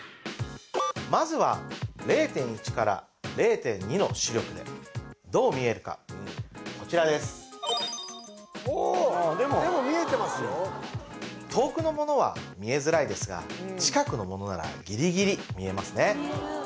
まずは０．１から０．２の視力でどう見えるかこちらですですが近くのものならギリギリ見えますね